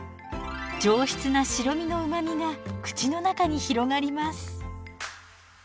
上質な白身のうまみが口の中に広がります。